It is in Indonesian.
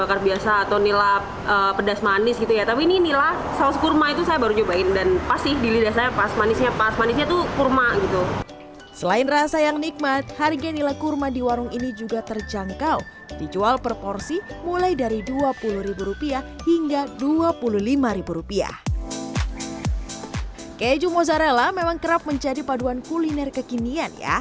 kalian bisa mencoba nila tabur kurma di warung ini